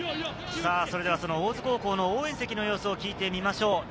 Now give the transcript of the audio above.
それではその大津高校の応援席の様子を聞いてみましょう。